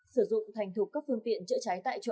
sử dụng thành thục các phương tiện chữa cháy tại chỗ